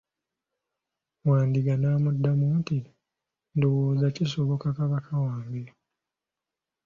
Wandiga n'amuddamu nti, ndowooza kisoboka kabaka wange.